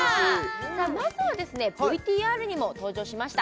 まずはＶＴＲにも登場しました